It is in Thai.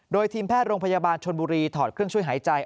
โดยทีมแพทย์โรงพยาบาลชนบุรีถอดเครื่องช่วยหายใจ